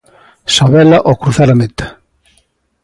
Sabela ao cruzar a meta.